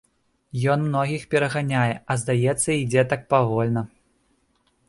Ён многіх пераганяе, а здаецца ідзе так павольна.